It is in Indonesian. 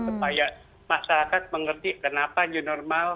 supaya masyarakat mengerti kenapa new normal